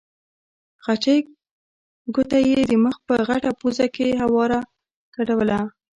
خچۍ ګوته یې د مخ په غټه پوزه کې هواره ګډوله.